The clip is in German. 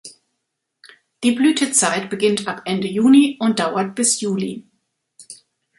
Die Blütezeit beginnt ab Ende Juni und dauert bis Juli.